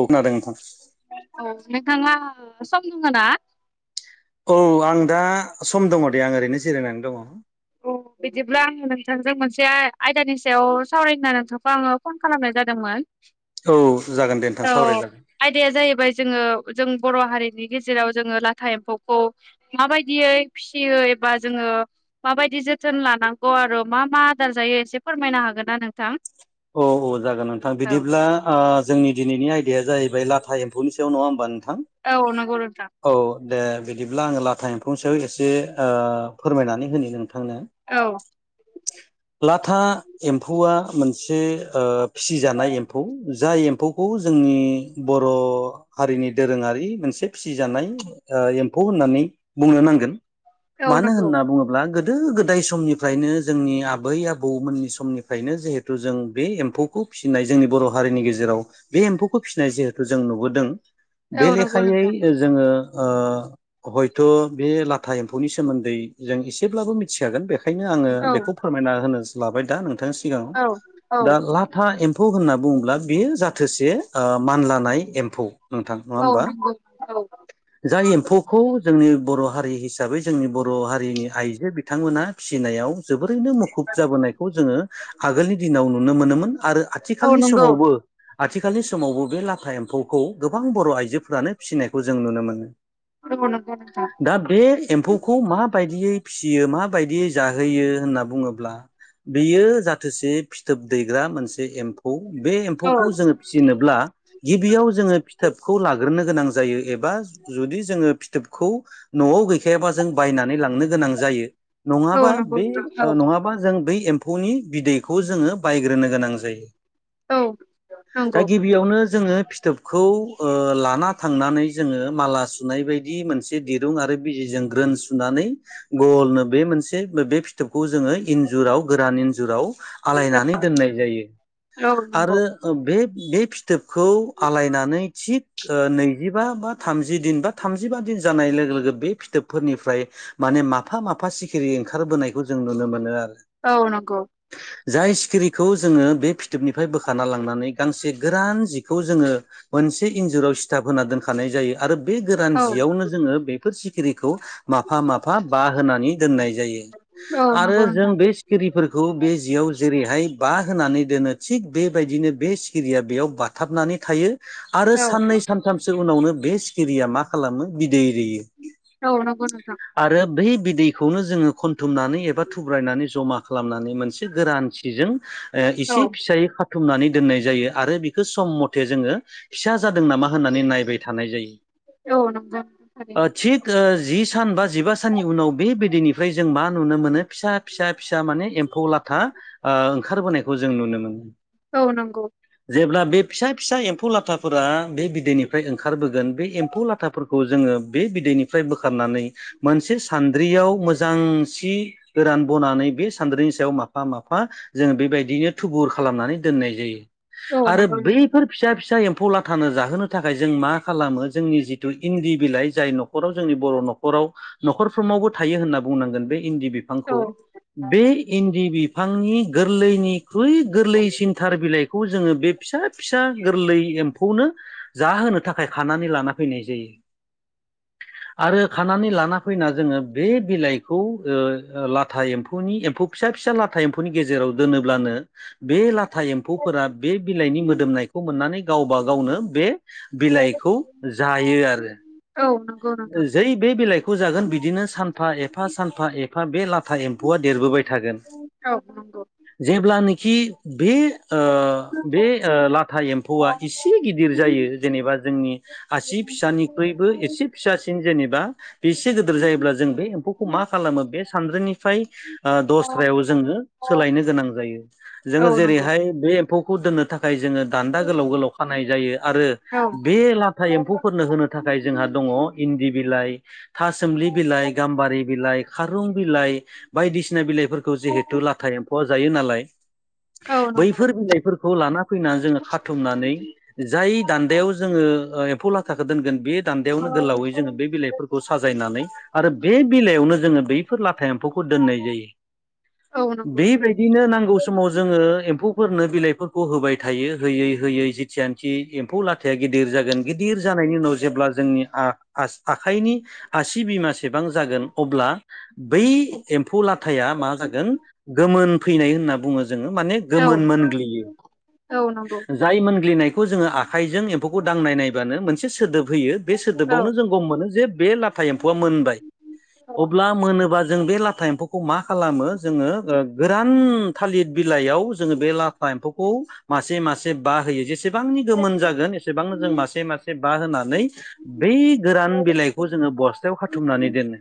औ खोनादों नोंथां। औ नोंथाङा सम दङ ना? औ आं दा सम दङ दे आं ओरैनो जिरायनानै दङ। औ बिदिब्ला आङो नोंथांजों मोनसे आ आयदानि सायाव सावरायनो नोंथांखौ आङो फन खालामनाय जादोंमोन। औ जागोन दे नोंथां औ सावरायजागोन आयदाया जाहैबाय जोङो जों बर' हारि नि गेजेराव जोङो लाथा एम्फौखौ माबायदियै फिसियो एबा जोङो माबायदि जोथोन लानांगौ आरो मा मा आदार जायो एसे फोरमायनो हागोन ना नोंथां? औ औ जागोन नोंथां औ बिदिब्ला ओ जोंनि दिनैनि आय- दाया जाहैबाय लाथा एम्फौनि सायाव नङा होमबा नोंथां औ नंगौ नोंथां। औ दे बिदिब्ला आङो लाथा एम्फौनि साआव एसे फोरमायनानै होनि नों थांनो औ लाथा एम्फौआ मोन से ओ फिसिजानाय एम्फौ जाय एम्फौखौ जोंनि बर' हारि नि दोरोङारि मोनसे फिसिजानाय एम्फौ होननानै बुंनो नांगोन औ मानो नंगौ होनना बुङोब्ला गो दो गोदाय समनिफ्रायनो जोंनि आबै आबौमोननि समनिफ्रायनो जिहे थु जों बे एम्फौखौ फिसिनाय जोंनि बर' हारिनि गेजेराव बे एम्फौखौ फिसिनाय जिहे थु जों नुबोदों औ बे नंगौ लेखायै नोंथां जोङो ओ हयथ' बे लाथा एम्फौनि सोमोन्दै जों एसेब्लाबो मिथिखागोन बेखा यनो आङो औ बेखौ फोरमायना होनो लाबाय दा नोंथांनि सिगाङाव औ औ दा लाथा एम फौ होनना बुङोब्ला बेयो जाथोसे ओ मानलानाय एम्फौ। नोंथां नङा औ होमबा नंगौ औ जाय एम्फौखौ जोंनि बर' हारि हिसाबै जोंनि बर' हारिनि आइजो बिथांमोना फिसिनायाव जोबोरैनो मुखुब जाबोनाय खौ जोङो आगोलनि दिनाव नुनो मोनोमोन आरो औ आथिखालनि नंगौ समावबो आथिखालनि समावबो बे लाथा एम्फौखौ गोबां बर' आइजोफोरानो फिसिनायखौ जों नुनो मोनो। औ नंगौ नोंथां दा बे एम्फौखौ मा बायदियै फिसियो माबायदियै जाहोयो होनना बुङोब्ला बेयो जा थोसि फिथोब दैग्रा मोनसे एम्फौ बे एम्फौखौ औ जोङो फिसिनोब्ला गिबियाव जोङो फिथोबखौ लाग्रोनो गोनां जायो एबा जुदि जोङो फिथोबखौ न'आव गै खायाबा जों बायनानै लांनो गोनां जायो औ नङाबा नंगौ बै नोंथां ओ नङाबा जों बै एम फौनि बिदैखौ जोङो बायग्रोनो गोनां जायो। औ दा नंगौ गिबियावनो जोङो फि थोबखौ ओ लाना थांनानै जोङो माला सुनाय बायदि मोनसे दिरुं आरो बिजिजों ग्रोन सु नानै गल नो बे मोनसे बे फिथोबखौ जोङो इजुराव गोरानै जुराव आलायनानै दोननाय जायो औ नंगौ आरो बे बे फिथोबखौ आलायनानै थिग ओ नैजिबा बा थामजि दिन बा थामजिबा दिन जानाय लोगो-लोगो बे फिथोबफोरनिफ्राय माने माफा- माफा सिखिरि ओंखारबोनायखौ जों नुनो मोनो आरो औ नंगौ जाय सिखिरिखौ जोङो बे फिथोबनिफ्राय बोखाना लांनानै गांसे गोरान जिखौ जोङो मोनसे इन्जुराव सिथाफ होना दोनखानाय जायो आरो बे गोरान औ जियावनो जोङो बेफोर सिखिरिखौ माफा माफा बा होनानै दोननाय जायो औ आरो नंगौ जों नोंथां बै सिखिरिफोरखौ बे जियाव जेरैहाय बा होनानै दोनो थिग बेबायदिनो बे सिरिया बेयाव बा थाबनानै थायो आरो औ साननै सानथामसो उनावनो बे सिखिरिया मा खालामो दै दैयो औ नंगौ नोंथां आरो बै बिदैखौनो जोङो खनथुमनानै एबा थुब्रायनानै जमा खा मनानै मोनसे गोरान सि जों ओ औ इसे फिसायै‌ खाथुम नानै दोननाय जायो आरो बिखो सम मथे जोङो फिसा जादों नामा होननानै नायबाय थानाय जायो। औ नंगौ। ओ थिग ओ जि सान बा जिबा साननि उनाव बे बिदैनिफ्राय जों मा नुनो मोनो फिसा फिसा फिसा सा माने एम्फौ लाथा ओंखारबोनायखौ जों नुनो मोनो औ नंगौ जेब्ला बे फिसा फिसा एम फौ लाथाफोरा बे बिदैनिफ्राय ओंखारबोगोन बे एम्फौ लाथाफोरखौ जोङो बे बिदैनिफ्राय बोखारना नै मोनसे सान्द्रियाव मोजां सि गोरान बनानै बे सान्द्रिनि सायाव माफा-माफा जोङो बेबायदिनो थुबुर खालामनानै दोननाय जायो। औ आरो नंगौ नोंथां बैफोर फिसा फिसा एम फौ लाथानो जाहोनो थाखाय जों मा खालामो जोंनि जिथु इन्दि बिलाइ जाय न'खराव जोंनि बर' न'खराव न'खरफ्रोमावबो थायो होनना बुंनांगोन बे इन्दि बिफांखौ। औ बे इन्दि बिफांनि गोरलैनिख्रुइ गोरलैसिन थार बिलाइखौ जोङो बे फिसा - फिसा गोरलै एम्फौनो जाहोनो थाखाय खानानै लाना फैनाय जायो आरो खानानै लाना फैना जोङो बे बिलाइखौ ओ ओ लाथा एम्फौ एम्फौनि फिसा फिसा लाथा एमफौनि गेजेराव दोनोब्लानो बे लाथा एम्फौफोरा बे बि बिलाइनि मोदोमनायखौ मोननानै गावबा गावनो बे बिलाइखौ जायो आरो औ नंगौ नोंथां जै बे बिलाइ दुखु जागोन बिदिनो सानफा एफा सानफा एफा बे लाथा एम्फौआ देरबोबाय थागोन। औ नंगौ। खि बे ओ बे लाथा एम्फौआ एसे गिदिर जायो जेनेबा जोंनि आसि फिसानिख्रुइबो एसे फिसासिन जेनेबा बेसे गोदोर जायोब्ला जों बे एम्फौखौ मा खालामो बे सानद्रिनि फ्राय दस्रायाव जोंनो सोलायनो गोनां जायो औ जोङो नंगौ जेरैहाय बे एम्फौ खुदनो थाखाय थाखाय जोङो दान्दा गोलाव गोलाव खानाय जायो आरो औ बे लाथा एम्फौफोरनो होनो थाखाय जोंहा दङ दि बिलाय थासोमलि बिलाइ गाम्बारि बिलाइ खारुं बिलाइ बायदिसिना बिलाइफोरखौ जिहेथु लाथा ए एम्फौ आ जायो नालाय औ बैफोर बिलाइफोरखौ लाना फैनानै जोङो खाथुमनानै जाय दान्दायाव जोङो एम्फ फौ लाथाखौ दोनगोन बे दान्दायावनो गोलावै जोङो बे बिलाइफोरखौ साजायनानै आरो बे बिलायावनो जोङो बैफोर लाथा एम्फौखौ दोननाय जायो। औ नंगौ थारैनो बेबायदिनो नांगौ समाव जोङो एम्फौफोरनो बिलाइफोर खौ होबाय थायो होयै होयै जिथियानि एम्फौ लाथाया गिदिर जागोन गिदिर जानायनि उनाव जेब्ला जोंनि आस आखाइनि आसि बिमासेबां जागोन अब्ला बै एम्फौ लाथ थाया मा जागोन गोमोन फैनाय होनना बुङो जोङो माने औ गोमोन मोनग्लियो। औ नंगौ जाय मोनग्लिनायखौ जोङो आखाइजों एम्फौखौ दांनाय नायबानो मोनसे सोदोब होयो बे औ सोदोबावनो जों गम मोनो जे बे लाथा एम्फौआ मोनबाय अब्ला मोनो अब्ला जों बे लाथा एम्फौखौ मा खालामो जोङो ओ गोरान थालिर बिलाइयाव जोङो बे लाथा लाफा एम्फौखौ मासे मासे बा होयो जेसे जेसेबांनि एसेबांनि गोमोन जागोन एसेबांनो जों मासे मासे बा होनानै बै गोरान बिलाइखौ जोङो बस्थायाव खाथुमनानै दोनो।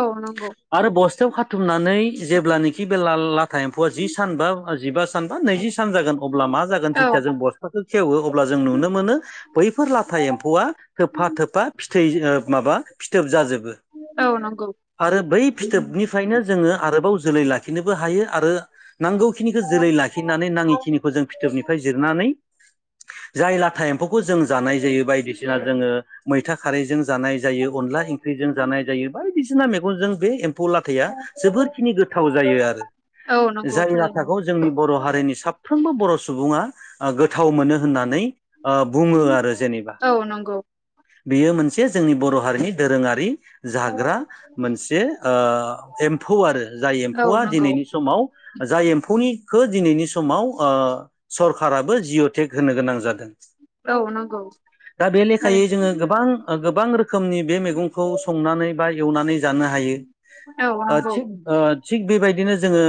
औ नंगौ आरो बस्थायाव खा बुथुमनानै जेब्लानोखि बे लाल लाथा एम्फौआ जि सान बा जिबा सान बा नैजि सान जागोन अब्ला मा जागोन औ जथिया जों बस्थाखौ खेवो अब्ला जों नुनो मोनो बैफोर लाथा एम्फौआ थोबफा थोबफा फिथै ओ माबा फिथोब जाजोबो। औ नंगौ आरो बै फिथोबनिफ्रायनो जोङो आरोबाव जोलै लाखि लाखिनोबो हायो आरो नांगौखिनिखौ जोलै लाखिनानै नाङिखिनिखौ जों फिथोबनिफ्राय जिरनानै जाय लाथा एम्फौखौ जों जानाय जायो बायदिसिना जोङो मैथा खारैजों जानाय जायो अनला ओंख्रिजों जानाय जायो बायदिसिना मेगंजों बे एम फौ लाथाया जोबोरखिनि गोथाव जायो आरो औ नंगौ जाय थारैनो लाथाखौ जोंनि बर' हारिनि साफ्रोमबो बर' सु सुबुङा गोथाव मोनो होननानै ओ बुङो आरो जेनेबा। औ नंगौ बेयो मोनसे जोंनि बर' हारिनि दोरोङारि जाग्रा मोनसे ओ एम्फौ आरो जाय औ एम्फौआ नंगौ दिनैनि समाव जाय एम्फौनिखौ दिनैनि समाव ओ सरखाराबो जिअ टेक होनो गोनां जादों। औ नंगौ। खायै थारैनो जोङो गोबां गोबां रोखोमनि बे मैगंखौ संनानै बा एवनानै जानो हायो। औ ओ नंगौ थिग ओ थिग बेबायदिनो जोङो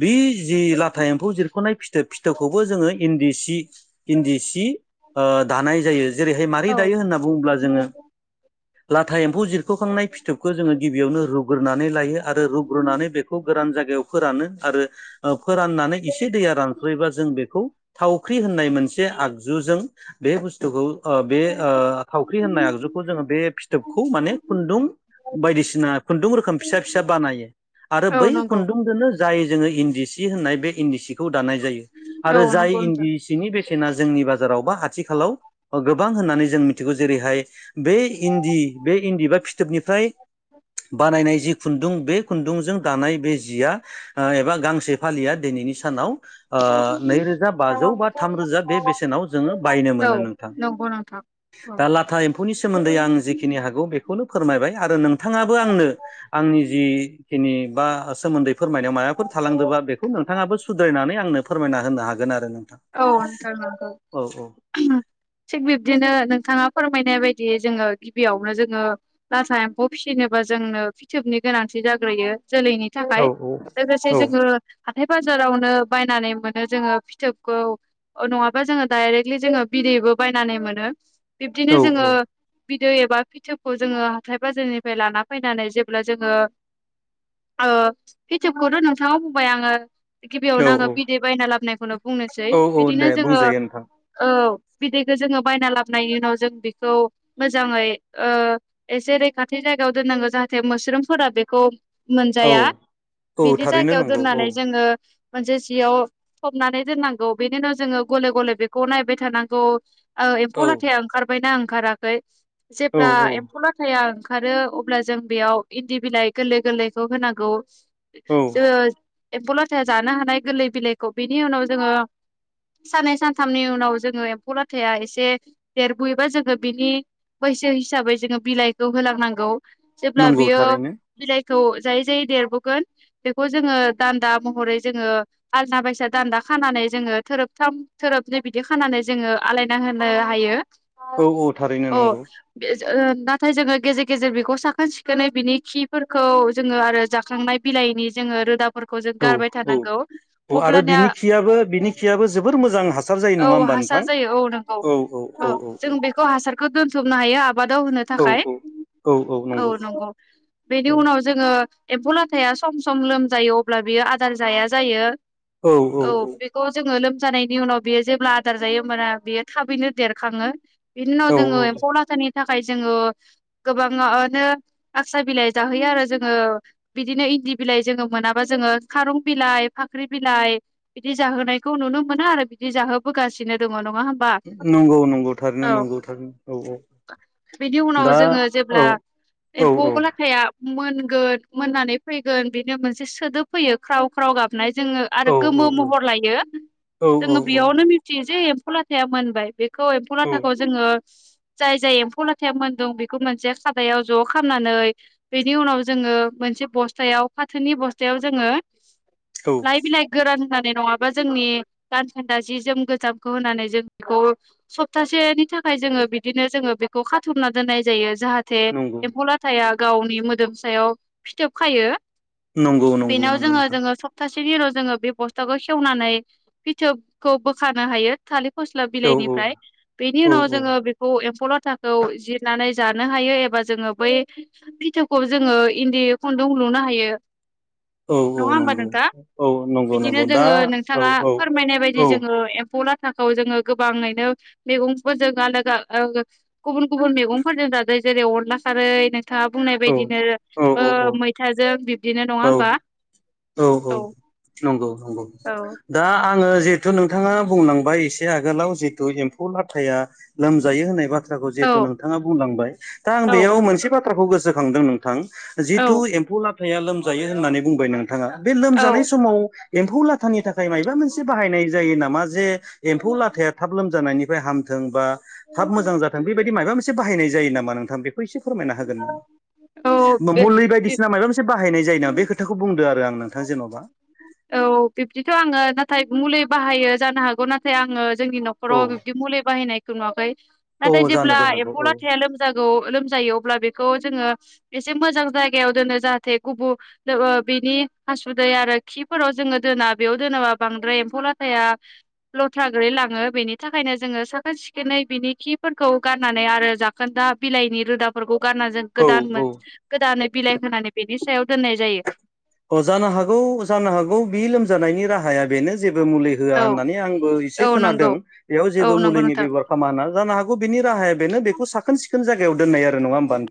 बि जि लाथा एम्फौ जिरख'नाय फिथो फिथोबखौबो जोङो इन्दि सि इन्दि सि ओ दानाय जायो जेरैहाय मारै औ दायो होनना बुङोब्ला जोङो लाथा एम उ जिरख'खांनाय फिथोबखौ जोङो गिबियावनो रुग्रोनानै लायो आरो रुग्रोनानै बेखौ गोरान जायगायाव फोरानो आरो फोराननानै एसे दैया रानसयोबा जों बेखौ थावख्रि होननाय मोनसे आगुजों बे बुस्थुखो ओ ओ थावख्रि होननाय आगजुखौ जोङो बे फिथोबखौ माने खुन्दुं बायदिसिना खुन्दुं रोखोम फिसा फिसा बानायो आरो औ बै नंगौ खुन्दुंजोंनो जाय जोङो इन्दि सि होननाय बे इन्दि सिखौ दानाय जायो औ आरो जाय नंगौ नोंथां इन्दि सिनि बेसेना जोंनि बाजाराव बा आथिखालाव गोबां होननानै जों मिथिगौ जेरैहाय बे इन्दि बे इन्दि बा फिथोबनिफ्राय बानायनाय जि खुन्दुं बे खुन्दुंजों दानाय बे जिया एबा गांसे फालिआ दिनै सानाव ओ नैरोजा बाजौ बा थामरोजा बे बेसेनाव जोङो बायनो औ मोनो नोंथां नंगौ नोंथां औ दा लाथा एम्फौनि सोमोन्दै आं जिखिनि हागौ बेखौनो फोरमायबाय आरो नों थाङाबो आंनो आंनि जिखिनि बा सोमोन्दै फोरमायनायाव माबाफोर थालांदोंबा बेखौ नोंथाङाबो सुद्रायनानै आंनो फोरमायना होनो हागोन आरो। नोंथां औ नंथारमारगौ औ औ थिख बि। बिदिनो नोंथाङा फोरमायनाय बायदि जोङो गिबियावनो जोङो लाथा एम्फौ फिसिनोबा जोंनो। फिथोबनि गोनांथि जाग्रोयो। जोलैनि थाखाय औ लोगोसे औ जोङो हाथाय बाजारावनो बायनानै मोनो जोङो फिथोब। खौ नङाबा जोङो डाइरेक्टलि जोङो बिदैबो बायनानै मोनो। बिब्दिनो औ जोङो। बिदै एबा फिथोबखौ जोङो हाथाय बाजारनिफ्राय लाना फैनानै जेब्ला जोङो। औ फेटोबखौथ' नोंथाङाव बुंबाय आङो। औ गिबियावनो आङो औ बिदै बायना लाबोनायखौनो बुंनोसै औ औ बिदिनो दे जोङो बुंजायो नोंथां औ। बिदैखौ जोङो बायना लाबोनायनि उनाव जों बिखौ मोजाङै ओ एसे रैखाथि जायो। जायगायाव दोननांगौ जाहाथे मुस्रुमफोरा बेखौ। मोनजाया औ औ बिदि थारैनो जायगायाव नंगौ औ दोननानै जोङो मोनसे जियाव सबनानै। दोननांगौ बेनि उनाव जोङो गले गले बेखौ नायबाय थानांगौ ओ एम्फौ औ लाथा ओंखारबायना। ओंखाराखै औ जेब्ला औ एम्फौला ओखा। ओंखारो अब्ला जों बेयाव इन्दि बिलाइ गोरलै गोरलैखौ होनांगौ। औ जोङो एम्फौ लाथायाया जानो हानाय गोरलै बिलाइखौ बेनि उनाव जोङो। साननै सानथामनि उनाव जोङो एम्फौ लाथाया एसे देरबोयोबा जोङो बिनि। बैसो हिसाबै जोङो बिलाइखौ होलांनांगौ जेब्ला नंगौ बियो थारैनो बिलाइ। खौ जायै जायै देरबोगोन बेखौ जोङो दान्दा महरै जोङो आलदा बायसा दान्दा। खानानै जोङो थोरोबथाम थोरोबनि बिदि खानानै जोङो आलायना होनो हायो। औ औ थारैनो औ नंगौ। बे ओ नाथाय जोङो गेजेर गेजेर बेखौ साखोन सिखोनै बिनि खिफोरखौ जोङो आरो जाखांनाय बिलाइ। नि जोङो रोदाफोरखौ जों गारबाय थानांगौ अब्लानिया। खियो बिनि खियाबो जोबोर मोजां हासार जायो औ नङा होमबा हासार नोंथां। जायो औ नंगौ औ औ औ औ औ। दोनसबनो हायो। आबादाव होनो थाखाय औ औ नंगौ बेनि औ उनाव जोङो। एम्फौ लाथाया सम सम लोमजायो। औ बेखौ जोङो लोमजानायनि उनाव बियो जेब्ला आदार जायो होमबाना बेयो थाबैनो देरखाङो। बिनो उनाव औ जोंङो औ एम्फौ लाथानि। थाखाय जोङो गोबाङानो आसा बिलाइ जाहोयो आरो जोङो बिदिनो। इन्दि बिलाइ जोङो मोनाबा जोङो खारं बिलाइ फाख्रि बिलाइ। बिदि जाहोनायखौ नुनो मोनो आरो बिदि जाहोबोगासिनो दङ न नंगौ नंगौ थारैनो नंगौ थारनो औ औ। बिनि उनाव दा जोङो औ जेब्ला। औ औ मोनगोन मोननानै फैगोन बिनो मोनसे सोदोब फैयो ख्राव ख्राव गाबनाय जोङो। औ आरो गोमो महर लायो औ जोङो औ बेयावनो औ मिथियो जे एम्फौ लाथाया मोनबाय बे खौ एम्फौ लाथाखौ जोङो जाय -जाय एम्फौ लाथाया मोनदों बेखौ मोनसे खादायाव ज' खालामनानै बेनि उनाव जोङो मोन से बसथायाव फाथोनि बसथायाव जोंड़ो औ लाइ -बिलाइ नानै दोननानै नङाबा जोंनि गानखान्दा जि जोम गोजामखौ होनानै जों बेखौ सप्तासे नि थाखाय जोङो बिदिनो जोङो बेखौ खाथुमना दोननाय जायो। जाहाथे नंगौ एम्फौ लाथाया गावनि मोदोम सायाव फिथोब खायो। नंगौ नंगौ बेनाव नंगौ जोङो नोंथां जोङो सप्तासे सेनि उनाव जोङो बे बस्थाखौ सेवनानै फिथोबखौ बोखानो हायो थालिर फस्ला औ बिलाइनिफ्राय औ बेनि औ उनाव औ जोङो बेखौ एम्फौ लाथाखौ जिरनानै जानो हायो एबा जोङो बै बिथोबखौ जोंड़ो इन्दि खन खौ लुनो हायो। औ- नङा औ होमबा नंगौ नोंथां औ। नंगौ बिदिनो नंगौ दा जोङो औ नोंथाङा औ फोरमायनाय औ बायदि जोङो एम फौ लाथाखौ जोङो गोबाङैनो मैगंफोरजों आलादा गुबुन- गुबुन मैगंफोरजों जाजायो जेरै अनला खारै नों नोंथाङा बुंनाय औ बायदिनो औ ओ मैथाजों बिब्दिनो नङा औ होमबा? औ- औ नंगौ नंगौ औ दा आङो जिहेतु नोंथाङा बुंलांबाय एसे आगोलाव जिहेतु एम्फौ लाथाया लोमजायो होननाय बाथ थ्राखौ औ जिहेथु नोंथाङा बुंलांबाय दा आं औ बेयाव नंगौ मोनसे बाथ्राखौ गोसोखांदों नोंथां जिथु औ एम्फौ लाथ थाया लोमजायो होननानै बुंबाय नोंथाङा बे औ लोमजानाय समाव एम्फौ लाथानि थाखाय मायबा मोनसे बाहायनाय जायो नामा जे एम्फौ लाथाया थाब लोमजानायनि हामथों बा थाब मोजां जाथों बेबायदि मायबा मोन से बाहायनाय जायो नामा नोंथां बेखौ एसे फोरमायना हागोन औ बे मुलै बे बायदिसिना माबा मोनसे बाहायनाय जायो नामा बे खोथाखौ बुं औ बिब्दिथ' आङो दा नाथाय मुलि बाहायो जानो हागौ नाथाय आङो जोंनि औ न'खराव बिबदि मुलि बाहायनायखौ नुवाखै। औ नाथाय जेब्ला जानोबो हागौ एम्फौ औ लाथाया लोमजागौ- लोमजायो अब्ला बेखौ जोङो एसे मोजां जायगायाव दोनो जाहाथे गुबु ओ बिनि हासुदै आरो खिफोराव जोङो दोना बेयाव दोनोबा बांद्राय एम्फौ लाथाया लथ्रा गोलै ला ङो बेनि थाखायनो जोङो साखोन सिखोनै बिनि खिफोरखौ गारनानै आरो जाखोन्दा बिलाइनि रोदाफोरखौ गारना जों औ गोदान औ गोदानै बिलाइ होनानै बेनि सायाव दोननाय जायो। अ जानो हागौ -जानो हागौ बि लोमजानायनि राहाया बेनो जेबो मुलि होआ औ होननानै आंबो एसे औ खोनादों नंगौ बेयाव औ जेबो नंगौ मुलिनि नोंथां बेबहार खामा होनना जानो हागौ बिनि राहाया बेनो बेखौ साखोन -सिखोन जायायाव दोननाय आरो नङा होनबा न